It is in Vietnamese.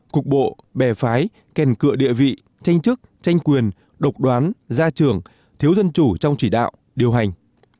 cục bộ bè phái kèn cựa địa vị tranh chức tranh quyền độc đoán gia trường thiếu dân chủ trong chỉ đạo điều hành